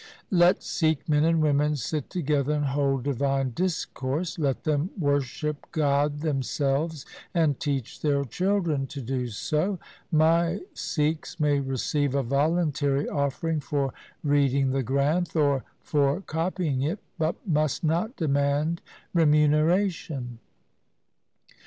Let Sikh men and women sit together and hold divine discourse. Let them worship God themselves, and teach their children to do so. My Sikhs may receive a voluntary offering for reading the Granth, or for copying it, but must not demand remuneration.